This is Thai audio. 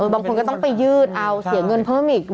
บางคนก็ต้องไปยืดเอาเสียเงินเพิ่มอีก